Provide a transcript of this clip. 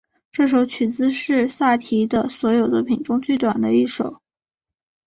这首曲子是萨提的所有作品中最短的一首。